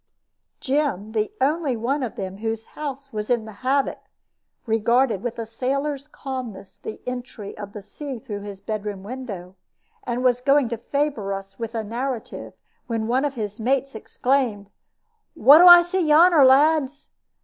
Jem, the only one of them whose house was in the havoc, regarded with a sailor's calmness the entry of the sea through his bedroom window, and was going to favor us with a narrative, when one of his mates exclaimed, "What do I see yonner, lads?